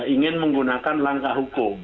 ingin menggunakan langkah hukum